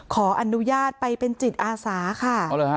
ขออนุญาตไปเป็นจิตอาสาค่ะ